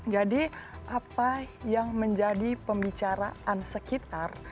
jadi apa yang menjadi pembicaraan sekitar